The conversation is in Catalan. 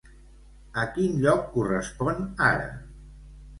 A quin lloc correspon ara?